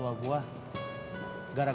okay berusaha oke